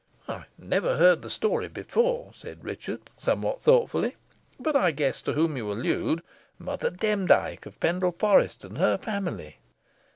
"I never heard the story before," said Richard, somewhat thoughtfully; "but I guess to whom you allude Mother Demdike of Pendle Forest, and her family."